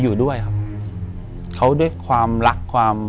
อยู่ที่แม่ศรีวิรัยิลครับ